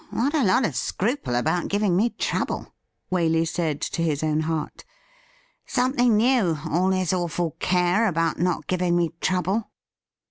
' What a lot of scruple about giving me trouble !' Waley said to his own heart. ' Something new, all this awful care about not giving me trouble